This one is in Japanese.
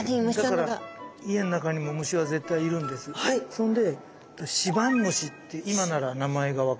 そんでシバンムシって今なら名前が分かるけど。